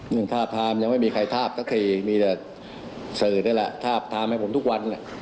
เรื่องทาบไทม์ยังไม่มีใครทาบสักทีมีแต่เสริมทาบไทม์ให้ผมทุกวันน่ะ